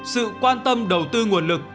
sự quan tâm đầu tư nguồn lực